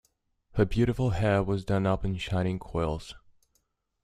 Her beautiful hair was done up in shining coils.